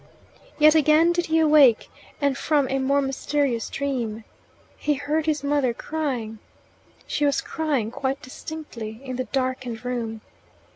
Yet again did he awake, and from a more mysterious dream. He heard his mother crying. She was crying quite distinctly in the darkened room.